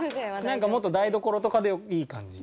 なんかもっと台所とかでいい感じ？